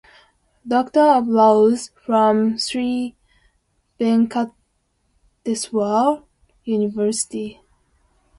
Doctor of Laws from Sri Venkateswara University.